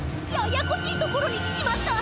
ややこしいところにきちまった！